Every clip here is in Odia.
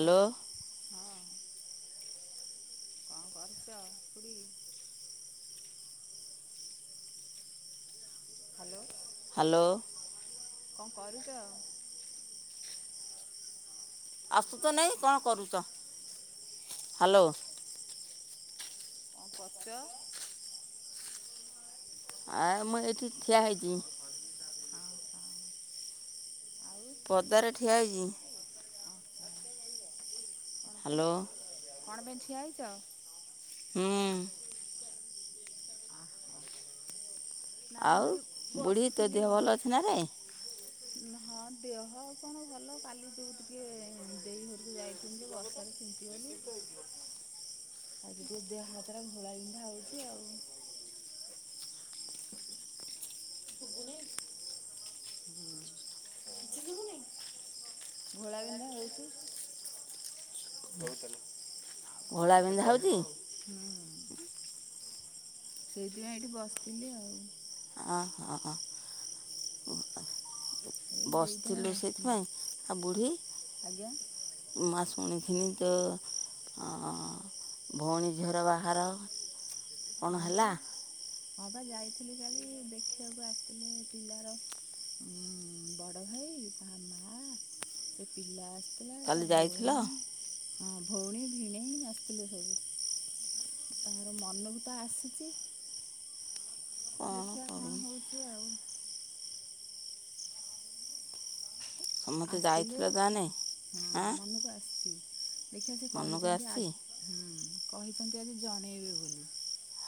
ହ୍ୟାଲୋ ହଁ କଣ କରୁଛ ଖୁଡି? ହ୍ୟାଲୋ। ହ୍ୟାଲୋ। କଣ କରୁଚ? ଆସୁ ତ ନାଇଁ କଣ କରୁଛ ହ୍ୟାଲୋ। କଣ କରୁଚ? ଆ ମୁଁ ଏଠି ଠିଆ ହେଇଛି। ଓହୋ ଆଉ ପଦାରେ ଠିଆ ହେଇଛି। ଓହୋ କଣ ପାଇଁ ହ୍ୟାଲୋ କଣ ପାଇଁ ଠିଆ ହେଇଛ? ହୁଁ। ଅହ। ନା ଆଉ ମୁଁ ଏଇଠି ବୁଢ଼ୀ ତୋ ବସିଥିଲି। ଦେହ ଭଲ ଅଛି ନା ରେ ହଁ ଦେହ କଣ ଭଲ କାଲି ଯୋଉ ଟିକେ ଦେଇ ଘରକୁ ଯାଇଥିନି ଯେ ବର୍ଷାରେ ତିନ୍ତି ପିଆଲି? ଆଜି ଟିକେ ଦେହ ହାତରା ଘୋଳାବିନ୍ଧା ହୋଉଛି ଆଉ। ହୁଁ। ଘୋଳା ବିିନ୍ଧା ହୋଉଛି। ବୋହୁତ ହେଲା। ଆଉ କଣ କରିବା? ଘୋଳାବିିନ୍ଧା ହୋଉଛି। ହୁଁ ସେଇଥିପାଇଁ ଏଇଠି ବସିଥିଲି ଆଉ। ଅ ହ। ଏ ଦେଇଦା ବସିଥିଲୁ ସେଥିପାଇଁ ଆଉ ବୁଢ଼ୀ? ଆଜ୍ଞା ମା ଶୁଣିଥିନି ତ? ହଁ ଭଉଣୀ ଝିଅର ବାହାର। ହଁ ପା ହଁ ପା ଯାଇଥିଲି କାଲି ଦେଖିବାକୁ ଆସିଥିଲେ ପିଲାର ଉଁ ବଡ ଭାଇ ତା ମା ସେ ପିଲା ଆସ ଆତିଲା କାଲି ତା ଯାଇଥିଲ ଭଉଣୀ ହଁ ଭଉଣୀ ଭିଣେଇ ଆସିଥିଲେ ସବୁ। ହ [inaudible] ତାଙ୍କର ମନକୁ ତ ଆସିଛି। କ'ଣ ଦେଖିଆ କରିବି କଣ ହୋଉଛି ଆଉ। ସମସ୍ତେ ଆସିଥିଲେ ଯାଇଥିଲ ତାହେଲେ ହଁ ଆଁ ମନକୁ ଆସିଛି ଦେଖିବା ସେ ମନକୁ କହିଛନ୍ତି ଆ ଆସିଛି ହୁଁ କହିଛନ୍ତି ଆଜି ଜଣେଇବି ବୋଲି।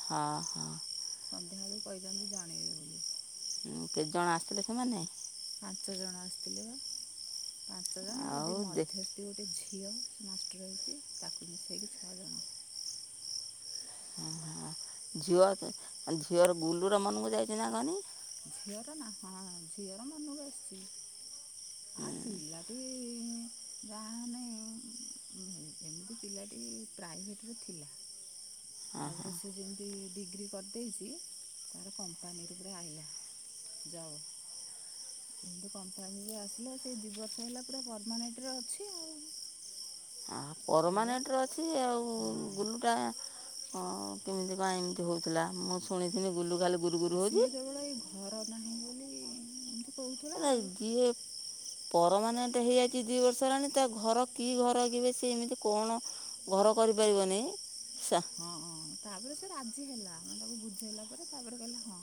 ହଁ ହଁ। ସନ୍ଧ୍ୟାବେଳକୁ କହିଛନ୍ତି ଜଣେଇବେ ବୋଲି। ଆଉ କେତେଜଣ ଆସିଲଥିଲେ ସେମାନେ? ପାଞ୍ଚ ଜଣ ଆସିଥିଲେ ବା ପାଞ୍ଚ ଜଣ ଆଉ ଯିଏ ମଧ୍ୟସ୍ ତି ଗୋଟେ ଝିଅ ସିଏ ମାଷ୍ଟର ହେଇଛି ତାକୁ ମିଶେଇକି ଛଅ ଜଣ। ହଁ ହ। ଝିଅ ଝିଅର ଗୁଲ ର ମନକୁ ଯାଇଛି ନା କହନି? ଝିଅର ନା ହଁ ଝିଅର ମନକୁ ଆସିଛି। ଆଉ ପିଲାଟି ଯାହାହେନେ ଉଁ ଏମିତି ପିଲାଟି ପ୍ରାଇଭେଟ୍ ରେ ଥିଲା ହଁ ତାପରେ ସିଏ ଯେମିତି ଡିଗ୍ରୀ କରିଦେଇଛି ତାର କମ୍ପାନୀରୁ ପୁରା ଆଇଲା ଯାଅ ଏମିତି କମ୍ପାନୀରୁ ଆସ ଲା ସେଇ ଦି ବର୍ଷ ହେଲା ପୁରା ପରମାନେଣ୍ଟରେ ଅଛି ଆଉ। ଆଉ ଏଇଆ ପରମାନେଣ୍ଟରେ ଅଛି ଆଉ ହଁ ଗୁଲୁଟା ହଁ କେମିତି କାଇଁ ଏମିତି ହଉଥିଲା ମୁଁ ଶୁଣିଥିନି ଗୁଲୁଗାଲୁ ସିଏ କେବଳ ଏଇ ଘର ନାହିଁ ବୋଲି ଏମତି ରଇଲୁ ଯିଏ ହୁଁ। [unintelligible] ପରମାନେଣ୍ଟ ହେଇଯାଇଛି ଦି ବର୍ଷ ହେଲାଣି ତା ଘର କି ଘର କିି ବେ ସିଏ ଏମିତି କଣ ଘର କରିପାରିବନେଇ ସା। ହଁଁ ତାପରେ ସେ ରାଜି ହେଲା ଆମେ ତାକୁ ବୁଝେଇଲା ପରେ ତାପରେ କହିଲା ହଁ।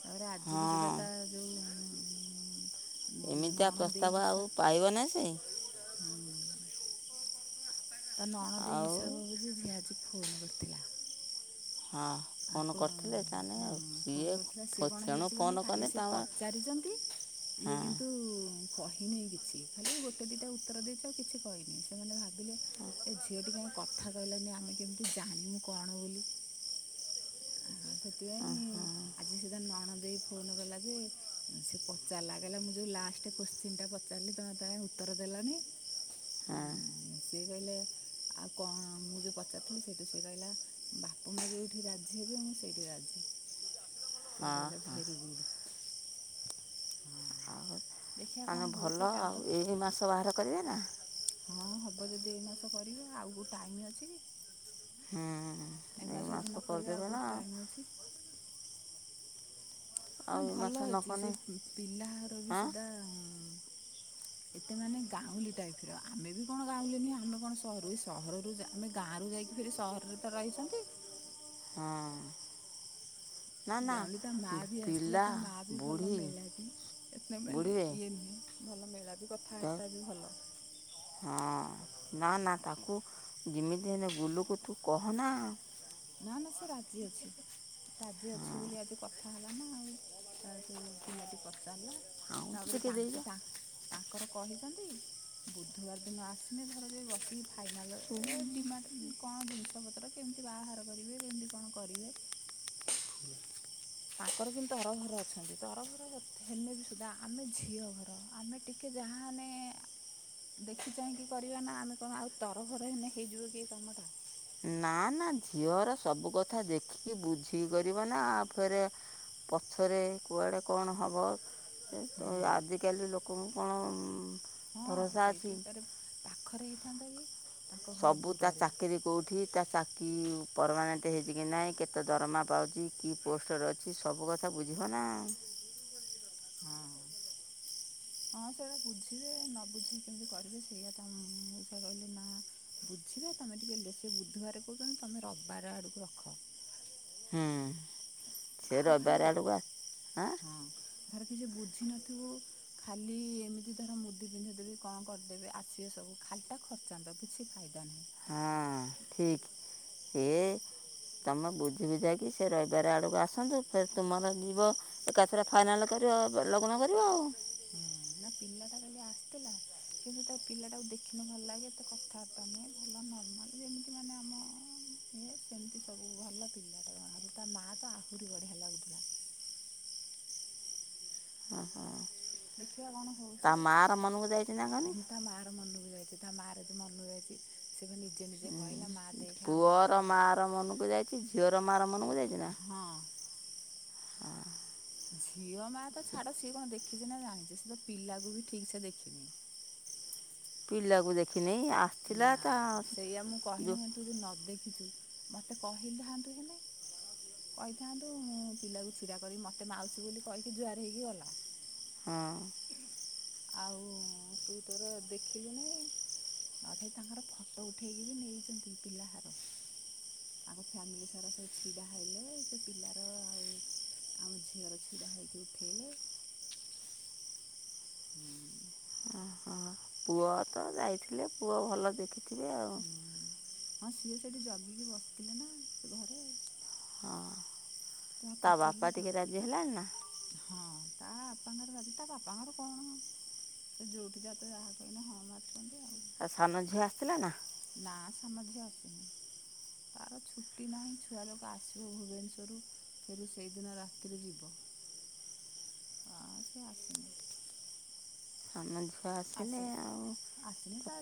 ତାପରେ ଆଜି ବି ସୁଦ୍ଧା ହଁ ତାର ଯୋଉ ଉଁ ହୁଁ ଏମିତିଆ ନଣନ୍ଦେଇ ଦେଇ ପ୍ରସ୍ତାବ ଆଉ ହିସା ପାଇବନି ସେ ହୁଁ ତା ନଣନ୍ଦେଇ ଆଉ ହିସାବ ହବ ଯେ ସିଏ ଆଜି ଫୋନ୍ କରିଥିଲା। ହଁ ଫୋନ୍ ଆଙ୍କ କରିଥିଲେ ତାନେ ହୁଁ ଆଉ ସିଏ ଫୋନ କରିଥିଲା ସିଏ କଣ ତେଣୁ ହେଇଛିି କହନି ଫୋନ୍ କାଲି କଲେ ସିଏ ତାଙ୍କର ପଚାରିଛନ୍ତି ଇଏ ହଁ କିନ୍ତୁ କହିନେଇ କିଛି ଖାଲି ଗୋଟେ ଦିଟା ଉତ୍ତର ଦେଇଚୁ ଆଉ କିଛି କହିନି ସେମାନେ ଭାବିଲେ ଏ ଝିଅଟି କାଇଁ କଥା କହିଲାନି ଆମେ କେମିତି ଜାଣିମୁଁ କଣ ବୋଲି? ଆ ସେଥିପାଇଁ ଆଜି ସେ ତା ନଣନ୍ଦେଇ ଫୋନ୍ କଲା ଯେ ଅ ସେ ପଚାରିଲା କହିଲା ମୁଁ ଯୋଉ ଲାଷ୍ଟ କୋଶ୍ଚିନଟା ପଚାରିଲି ତମେ ତ କାଇଁ ଉତ୍ତର ଦେଲନି? ହଁ ଉଁ ସିଏ କହିଲେ ଆଉ କଣ ମୁଁ ଯୋଉ ପଚାରିଥିଲି ସେଇଠୁ ସିଏ କହିଲା ବାପା ମା ଯୋଉ ଉଠି ରାଜି ହେବେ ମୁଁ ସେଇଠି ରାଜି ସେ ହଁ କହିଲା ହଁ ଭେରି ଗୁଡ଼୍। ହଁ ଦେଖିବା କଣ ତାହେନେ ହେଉଛି ଭଲ କାଲି ତ ଆଉ ଏଇ ମାସ ବାହାଘର କରିବେ ନା! ହଁ ହବ ଯଦି ଏଇ ମାସ କରିବେ ଆଉ କୋଉ ଟାଇମି଼ ଅଛି କି? ହୁଁ। ଏ ଏଇ ମାସ ଯଦି ନ କରିବେ ଆଉ କରିଦେବେ ନା କୋଉଠି ଟାଇମ ଅଛି? ଆଉ ନା ଏଇ ମାସ ଭଲ ନ ହେଇଚି କଲେ ସେଇ ପିଲା ଘର ବି ଆଁ ସୁଧା ଏତେ ମାନେ ଗାଉଁଲି ଟାଇପର ଆମେ ବି କଣ ଗାଉଁଲି ନୁହେଁ ଆମେ କଣ ସହରରୁ ଏଇ ସହରରୁ ଯା ଆମେ ଗାଁରୁ ଯାଇକି ଫେରି ସହରରେ ତ ରହିଛନ୍ତି! ହଁ। ନା ନା ଗାଁଉଲି ତା ମା ବି ଆସିଥିଲା ପିଲା ତା ମା ବି ଭଲ ବୁଢ଼ୀ ମେଳାପି ଏତେ ମାନେ ବୁଢ଼ୀରେ ଇଏ ନୁହେଁ। ଭଲ ମେଳାପି କଥାବାର୍ତ୍ତା ବି ଭଲ। ହଁ ନା ନା ତାକୁ ଯିମିତି ହେନେ ଗୁଲୁକୁ ତୁ କହନା ନା ନା ସେ ରାଜି ଅଛି। ରାଜି ଅଛି ବୋଲି ଆଜି କଥା ହେଲା ନା ଆଉ ପିଲାଟି ପଚାରିଲା। ଆଉ ତାପରେ ଟିକେ ତାଙ୍କ ସେ ଦେଇଯା ତା ତାଙ୍କର କହିଛନ୍ତି ବୁଧବାର ଦିନ ଆସିଲେ ଧର ଯେ ବସିକି ଭା ଫାଇନାଲ ଡିମାଣ୍ଡ କଣ ଜିନିଷ ପତ୍ର କେମତି ବାହାଘର କରିବେ କେମତି କଣ କରିବେ? ତାଙ୍କର କିନ୍ତୁ ତର ଭର ଅଛନ୍ତି ତର ଭର ହେନେ ବି ସୁଦ୍ଧା ଆମେ ଝିଅ ଘର ଆମେ ଟିକେ ଜାହାନେ ଦେଖି ଚାହିଁକି କରିବାନା ଆମେ କଣ ଆଉ ତରଭର ହେନେ ହେଇଯିବ କି କାମଟା? ନା ନା ଝିଅର ସବୁ କଥା ଦେଖିକି ବୁଝିକି କରିବ ନା ଫେରେ ପଛରେ କୁଆଡେ କଣ ହବ? ହୁଁ ଆଜିକାଲି ଲୋକଙ୍କୁ କଣ ହଁ ଭରସା ଅଛି ସେଇଥିପାରେ ପାଖରେ ହେଇଥାନ୍ତା କି? ତାଙ୍କ ଘର ସବୁତା ଦୂରରେ ଚାକିରି କୋଉଠି ତା ଚା କି ପରମାନେଣ୍ଟ ହେଇଛି କି ନାହିଁ କେତେ ଦରମା ପାଉଛି କି ପୋଷ୍ଟର ଅଛି ସବୁ କଥା ବୁଝିବ ନା? ହଁ ହଁ। ହଁ ସେଇଡା ବୁଝିବେ ନ ବୁଝିକି କେମିତି କରିବେ ସେଇଆ ତ ମଉସା କହିଲେ ନା ବୁଝିବେ ତମେ ଟିକେ ଦେ ସେ ବୁଧବାରେ କହୁଛନ୍ତି ତୁମେ ରବିବାର ଆଡ଼କୁ ରଖ। ହୁଁ। ସେ ଆଉ ଖାଲି ରବିବାର ଆଡ଼କୁ ଆଁ ହଁ ଧର କିଛି ବୁଝି ନଥିବୁ ଖାଲି ଏମିତି ଧର ମୁଦି ପିନ୍ଧିଇଦେବେ କଣ କରିଦେବେ ଆସିବେ ସବୁ ଖାଲିଟା ଖଚ ଚାନ୍ଦ କିଛି ଫାଇଦା ନାହିଁ। ହଁ। ଠିକ ଏ ତମେ ବୁଝି ବୁଝାଇକି ସେ ରଇବାର ଆଡକୁ ଆସନ୍ତୁ ତୁମର ଯିବ? ଏକାଥରେ ଫାଇନାଲ କରିବା ଲଗ୍ନ କରିବ ଆଉ ହୁଁ ନା ପିଲାଟା କାଲି ଆସିଥିଲା କିନ୍ତୁ ତା ପିଲାଟାକୁ ଦେଖିନୁ ଭଲ ଲାଗେ ଏତେ କଥାବାର୍ତ୍ତା ତମେ ଭଲ ନର୍ମାଲ ଯେମିତି ମାନେ ଆମ ଇଏ ସେମିତି ସବୁ ଭଲ। ପିଲାଟା ଜଣା ତା ମାଆ ତ ଆହୁରି ବଢ଼ିଆ ଲାଗୁଥିଲା। ଆହା। ଦେଖିବା କଣ ହଉଛି? ନା କହନି ତା ମା ର ମନକୁ ଯାଇଛି ତା ମାର ମନକୁ ଯାଇଛି ସେବା ନିଜେ ନିଜେ କହିଲା ମା ଦେ ପୁଅର ମା ର ମନକୁ ଯାଇଛି ଝିଅର ମାଆ ର ମନକୁ ଯାଇଛି ନା? ହଁ। ଝିଅ ମା ତ ଛାଡ ସିଏ କଣ ଦେଖିଛି ନା ଜାଣିଛି ସେ ତ ପିଲାକୁ ବି ଠିକ ସେ ଦେଖିନି। ପିଲାକୁ ଦେଖିନି ଆଶ୍ଚ ନା ସେଇଆ ମୁଁ କହିନି ତୁ ଯଦି ନ ଦେଖିଛୁ ମତେ କହିଥାନ୍ତୁ ହେଲେ। କହିଥାନ୍ତୁ ମୁଁ ପିଲାକୁ ଛିଡା କରି ମତେ ମାଉସୀ ବୋଲି କହିକି ଜୁଆର ହେଇକି ଗଲା। ହଁ। ଆଉ ତୁ ତୋର ଦେଖିଲୁନାଇଁ? ଅଧେ ତାଙ୍କର ଫଟୋ ଉଠେଇକି ବି ନେଇଛନ୍ତି ପିଲାଘର। ଆମ ଫ୍ୟାମିଲି ସାରା ସବୁ ଛିଡା ହେଲେ ସେ ପିଲାର ଆଉ ଆମ ଝିଅର ଛିଡା ହେଇକି ଉଠେଇଲେ। ହୁଁ ଓହୋ ପୁଅ ତ ଯାଇଥିଲେ ପୁଅ ଭଲ ଦେଖିଥିବେ ଆଉ। ହୁଁ। ହଁ ସିଏ ସେଠି ଜଗିକି ବସିଥିଲେ ନା ସେ ଘରେ। ହଁ ଯାହା ତା ପଚାରିଲେ ବାପା କଣ ଟିକେ ରାଜି ହେଲାଣି ନା। ହଁ ତା ବାପାଙ୍କର ରାଜି ତା ବାପାଙ୍କର କଣ। ଯୋଉଠି ଯାତ ଯାହା କହିଲେ ହଁ ମାରୁଚନ୍ତି ଆଉ। ତା ସାନ ଝିଅ ଆସିଥିଲା ନା। ନା ସାନ ଝିଅ ଆସିନି। ତାର ଛୁଟି ନାହିଁ ଛୁଆ ଲୋକ ଆସିବ ଭୁବନେଶ୍ୱରରୁ ଫେରେ ସେଇଦିନ ରାତିରେ ଯିବ। ଆ ସିଏ ଆସିନି। ସାନ ଝିଅ ଆସିଲେ ଆସିନି ଆଉ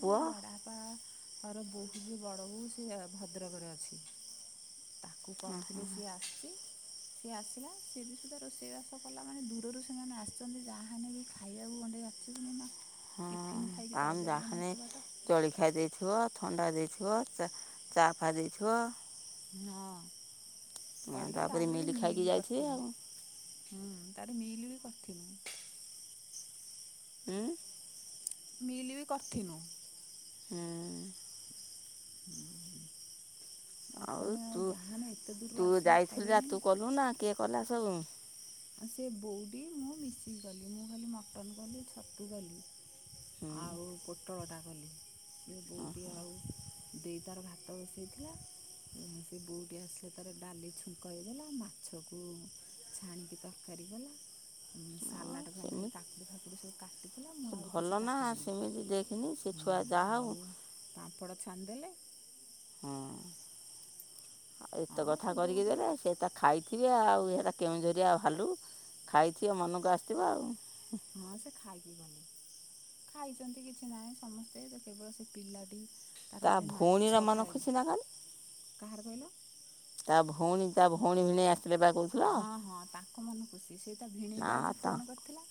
ପୁଅ? ବାପା ବୋହୁ ବି ବଡ ବୋହୁ ସେ ଭଦ୍ରକରେ ଅଛି। ତାକୁ କହିଥିଲେ ସିଏ ଆସିଛି। ସିଏ ଆସିଲା ସିଏ ବି ସୁଧା ରୋଷେଇ ବାସ କଲା ମାନେ ଦୂରରୁ ସେମାନେ ଆସିଛନ୍ତି ଯାହାହାନେ ବି ଖାଇବାକୁ ବଣ୍ଡେଇ ହଁ ଯାଇପାରିବେ ନା ଯାହେନେ। ଏତେ ବାଟ ଜଳଖିଆ ଦେଇଥିବ ଥଣ୍ଡା ଦେଇଥିବ ଚା ଫା ଦେଇଥିବ। ହଁ କରିକି ତାପରେ ବି ମିଲ୍ ଖାଇକି ମିଲି ଯାଇଥିବେ କରିଥିଲୁ। ଆଉ ହୁଁ ତାର ମିଲ ବି କରିଥିନୁ। ଉଁ ମିଲ ବିି କରିଥିନୁ। ହୁଁ। ହୁଁ ହୁଁ। ଆଉ ତୁ ତୁ ଆସିବେ ଯାଇଥିଲୁ ଯେ ଖାଇବେନି ନା। ତୁ କଲୁ ନା କିଏ କଲା ସବୁ। ସେ ବୋଉଟି ମୁଁ ମିଶିକି କଲି ମୁଁ ଖାଲି ମଟନ କଲି ଛତୁ କଲି। ହୁଁ ଆଉ ପୋଟଳଟା କଲି ସିଏ ହଁ ବହୁଟି ଆଉ ଦେଇ ତାର ଭାତ ବସେଇଥିଲା। ସେ ବୋଉଟି ଆସିଲେ ତାର ଡାଲି ଛୁଙ୍କ ହେଇଗଲା ମାଛକୁ ଛାଣିକି ତରକାରୀ ଗଲା ହଁ ସାଲାଡ଼ ପାଇଁ ଖାଲି ସେମିତି କାକୁଡ଼ି ଫାକୁଡ଼ି ସବୁ କା କାଟିଥିଲା ସେ ମୁଁ ଆଉ ଭଲ କିଛି ନା କାଟିଦେଲି ସେମିତି ଦେଖିନି ସେ ଛୁଆ ହୁଁ ଯାହା ହଉ ଆଉ ପାମ୍ପଡ଼ ଛାତିଦେଲେ। ହଁ। ଏତେ ହଁ ସେ କଥା କରିକି ବୋଉଟି ଦେଲେ ସେ ତା ଖାଇଥିବେ ଆଉ ଏରା କେଉଁଝରିଆ ଭାଲୁ ଖାଇଥିବେ ମନକୁ ଆସିଥିବ ଆଉ ହଁ ସେ ଖାଇକି ଗଲେ। ଖାଇଛନ୍ତି କିଛି ନାହିଁ ସମସ୍ତେ କେବଳ ସେ ପିଲାଟି ତାର ତା ବଧେ ଭଉଣୀର ମାଛ ମନ ଖାଇଏନି ଖୁସି ନା କାଲି କାହାର କହିଲ। ତା ଭଉଣୀ ତା ଭଉଣୀ ଭିଣେଇ ଆସିଲେ ପାଖକୁ ହଁ ହଁ ତାଙ୍କ ମନ ଖୁସି ସେ ନା ଭିଣେଇବା ଆଜି ତ ଫୋନ କରିଥିଲା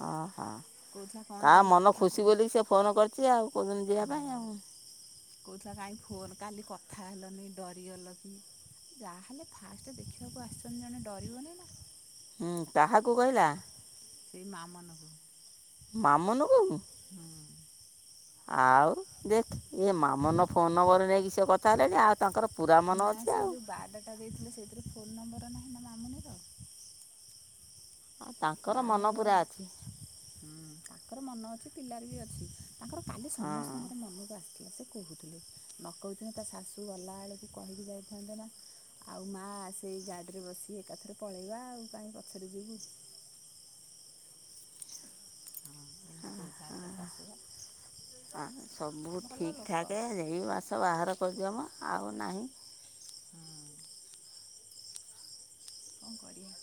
ହଁ ହଁ କହୁଥିଲା କଣ ତା ପାଇଁ ମନ କଥା ଖୁସି କହୁନୁ ବୋଲିକି ସେ ଫୋନ୍ କରିଛି ଆଉ କୋଡ଼ ଉଦିନ ଯିବା ପାଇଁ ଆଉ। ହୁଁ କହୁଥିଲା କାହିଁ ଫୋନ୍ କାଲି କଥା ହେଲନି ଡରିଗଲ କି? ଯାହାହେଲେ ଫାଷ୍ଟ ଦେଖିବାକୁ ଆସିଛନ୍ତି ଜଣେ ଡରିବନିଁ ନା। ହୁଁ କାହାକୁ କହିଲା? ସେଇ ମା ମାନଙ୍କୁ। ମାମୁନୁକୁ ହଁ। ଆଉ ଦେଖ ଇ ମାମୁନୁ ଫୋନ ନମ୍ବର ନେଇକି ସେ କଥା ହେଲେଣି ଆଉ ତାଙ୍କର ପୁରା ମନ ଅଛି ଆଉ। ବାଟ ଟା ଦେଇ ସେଥିରେ ଫୋନ ନମ୍ବର ନାହିଁ ନା ମାମୁନୀର। ଆଉ ତାଙ୍କର ମନ ବାଘର ବେଳେ ପୁରା ଅଛି ହୁଁ ତାଙ୍କର ମନ ଅଛି ପିଲାର ବି ଅଛି। ତାଙ୍କର କାଲି ହଁ ସମସ୍ତଙ୍କର ମନକୁ ଆସିଥିଲା ସେ କହୁଥିଲେ ନ କହୁଥିଲେ ତା ଶାଶୁ ଗଲା ବେଳକୁ କହିକି ଯାଇଥାନ୍ତେ ନା ଆଉ ମା ସେଇ ଗାଡିରେ ବସିିକି ଏକାଥରେ ପଳେଇବା ଆଉ କାହିଁ ପଛରେ ଯିବୁ। ହଁ ଏମିତି କହୁଥାନ୍ତା ଶାଶୁଆ। ହଁ ସବୁ ଠିକି ଠାକ୍ ଏଇ ମାସ ବାହାଘର କରିଦିଅ ମ ଆଉ ନାହିଁ। ହୁଁ। କଣ କରିବା?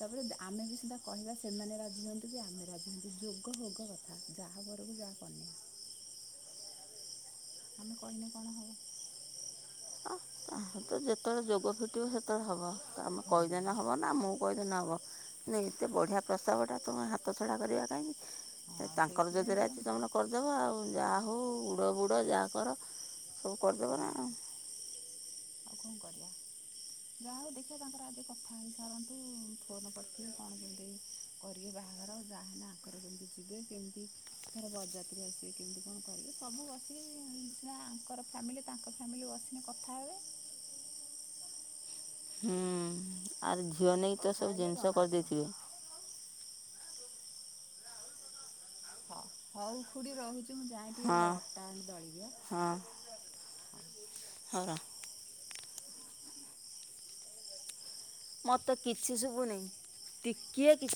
ତାପରେ ଆମେ ବି ସୁଧା କହିବା ସେମାନେ ରାଜି ହୁଅନ୍ତୁ କି ଆମେ ରାଜି ହୁଅନ୍ତୁ ଯୋଗ ହୋଗ କଥା। ଥା ଯାହାବରକୁ ଯାହା କନ୍ୟା। ଆମେ କହିଲେ କଣ ହବ? ତା ତ ଯେତେବେଳେ ଯୋଗ ଫିଟିବ ସେତେବେଳେ ହବ ଆମେ କହିଲେ ନା ହୁଁ ହ ବ ନା ମୁଁ କହିଦେ ନ ହେବ ଏତେ ବଢ଼ିଆ ପ୍ରସ୍ତାବଟା ତୁମେ ହାତ ଛଡ଼ା କରିବା କାଇଁକି। ହଁ ତାଙ୍କର ଯଦି ସେଇଥିପାଇଁ ଟିକେ ରାଜି ତମର କରିଦେବ ଆଉ ଯାହା ହଉ ଉଡ଼ ବୁଡ଼ ଯାହା କର ସବୁ କରିଦବା। ହୁଁ ଆଉ କଣ କରିବା? ଯାହା ହଉ ଦେଖିବା ତାଙ୍କର ଆଜି କଥା ହେଇ ସାରନ୍ତୁ ଫୋନ୍ କରିଥିବେ କଣ କେମତି କରିକି ବାହାଘର ଯାହାହେଲେ ଆଙ୍କର କେମିତି ଯିବେ କେମିତି ଧର ବର ଯାତ୍ରୀ ଆସିବେ କେମିତି କଣ କରିବେ ସବୁ ବସିକି ଆଙ୍କର ଫ୍ୟାମିଲି ତାଙ୍କ ଫ୍ୟାମିଲି ବସିନି କଥା ହେବେ। ହୁଁ। ଆର୍ ଝିଅ ନେଇକି ତ କଥା ସବୁ ହେଲେ ଜିନିଷ ଜଣାଯିବ। କରିଦେଇଥିବେ। ହଁ ହଉ ଖୁଢି ରହୁଛି ମୁଁ ଯାଏ ଟିକେ ଏ ଅଟା ଆଣି ଦଳିଦିଏ। ହଁ। ହଁ ର ମତେ କିଛି ଶୁଭୁନି ଟିକିଏ କିଛି